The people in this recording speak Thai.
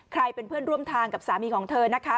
ใครเป็นเพื่อนร่วมทางกับสามีของเธอนะคะ